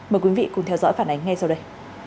mời quý vị cùng theo dõi phản ánh ngay sau đây